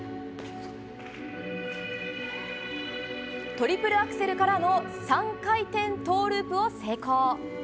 トリプルアクセルからの３回転トウループを成功。